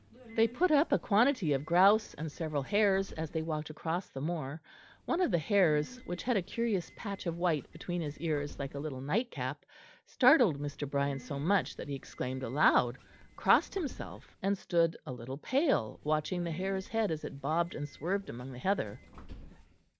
They put up a quantity of grouse and several hares as they walked across the moor; one of the hares, which had a curious patch of white between his ears like a little night cap, startled Mr. Brian so much that he exclaimed aloud, crossed himself, and stood, a little pale, watching the hare's head as it bobbed and swerved among the heather.